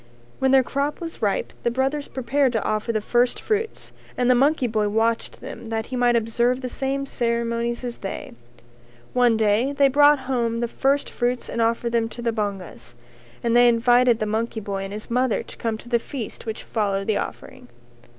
When their crop was ripe the brothers prepared to offer the first fruits and the monkey boy watched them that he might observe the same ceremonies as they. One day they brought home the first fruits and offered them to the bongas, and they invited the monkey boy and his mother to come to the feast which followed the offering.